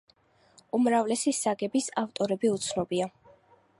უმრავლესი საგების ავტორები უცნობია.